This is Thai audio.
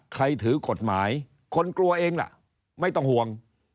ถือกฎหมายคนกลัวเองล่ะไม่ต้องห่วง